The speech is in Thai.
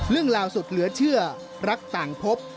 เรื่องราวสุดเหลือเชื่อรักต่างพบ